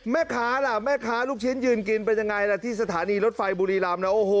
แม่ค้าล่ะแม่ค้าลูกชิ้นยืนกินเป็นยังไงล่ะที่สถานีรถไฟบุรีรำนะโอ้โห